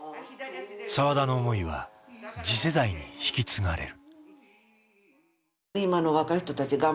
澤田の思いは次世代に引き継がれる。